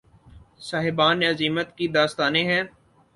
صاحبان عزیمت کی داستانیں ہیں